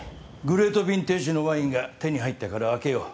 グレートヴィンテージのワインが手に入ったから開けよう。